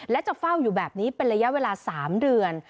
และจะเฝ้าอยู่แบบนี้เป็นระยะเวลา๓เดือน